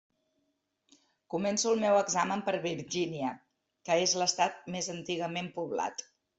Començo el meu examen per Virgínia, que és l'estat més antigament poblat.